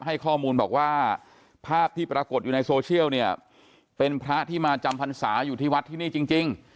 ให้ข้อมูลบอกว่าภาพที่ปรากฏอยู่ในโซเชียลเนี่ยเป็นพระที่มาจำพรรษาอยู่ที่วัดที่นี่จริง